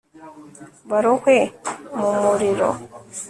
barohwe mu muriro